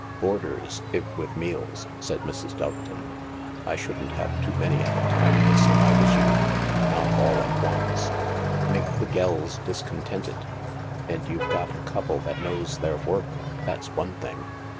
" Boarders, if with meals," said Mrs. Doveton, " I shouldn't have too many at a time, miss, if I was you — not all at once. Make the gells discontented — and you've got a couple that knows their work, that's one thing."